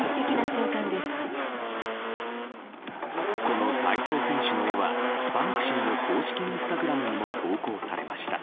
この体操選手の絵はバンクシーの公式インスタグラムにも投稿されました。